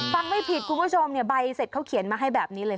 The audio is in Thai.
ไม่ผิดคุณผู้ชมเนี่ยใบเสร็จเขาเขียนมาให้แบบนี้เลย